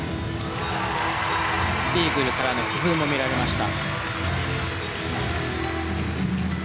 イーグルからの工夫も見られました。